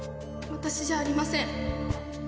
私じゃありません。